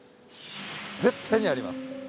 絶対にあります。